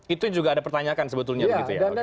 itu juga ada pertanyakan sebetulnya begitu ya